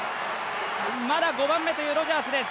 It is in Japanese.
まだ５番目というロジャースです。